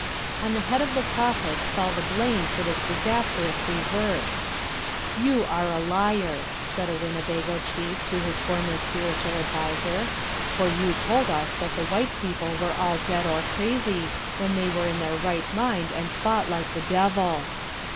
On the head of the Prophet fell the blame for this disastrous reverse. 'You are a liar,' said a Winnebago chief to his former spiritual adviser, 'for you told us that the white people were all dead or crazy, when they were in their right mind and fought like the devil.'